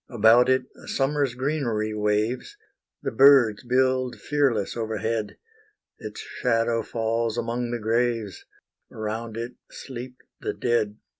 About it summer's greenery waves; The birds build fearless overhead; Its shadow falls among the graves; Around it sleep the dead.